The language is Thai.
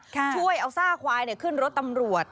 ช่วยเอาซากควายขึ้นรถตำรวจ